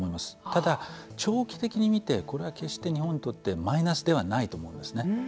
ただ、長期的に見てこれは決して日本にとってマイナスではないと思うんですね。